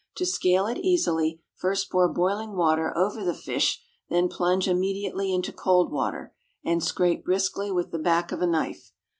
To scale it easily, first pour boiling water over the fish, then plunge immediately into cold water, and scrape briskly with the back of a knife.